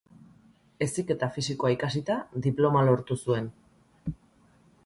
Heziketa Fisikoa ikasita, diploma lortu zuen.